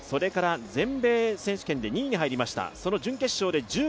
全米選手権で２位に入りました。